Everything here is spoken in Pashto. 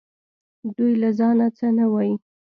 دوی له ځانه څه نه وايي